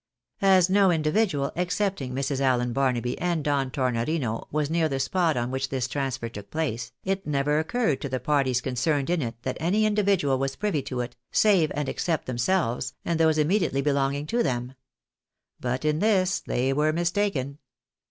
As no individual, excepting Mrs. Allen Barnaby and Don Tor norino, was near the spot on which this transfer took place, it never occurred to the parties concerned in it that any individual was privy to it, save and except themselves, and those immediately belonging to them. But in this they were mistaken.